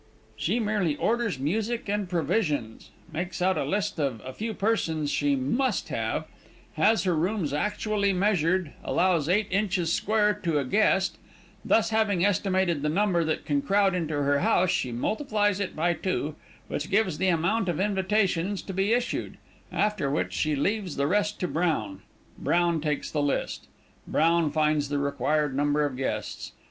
She merely orders music and provisions, makes out a list of a few persons she must have, has her rooms actually measured, allows eight inches square to a guest; thus having estimated the number that can crowd into her house, she multiplies it by two, which gives the amount of invitations to be issued, after which she leaves the rest to Brown. Brown takes the list; Brown finds the required number of guests.